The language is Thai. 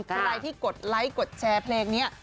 ใครที่กดไลค์กดแชร์เพลงนี้